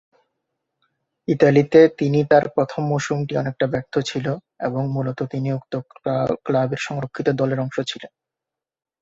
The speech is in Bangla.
ইতালিতে তিনি তার প্রথম মৌসুমটি অনেকটা ব্যর্থ ছিল এবং মূলত তিনি উক্ত ক্লাবের সংরক্ষিত দলের অংশ ছিলেন।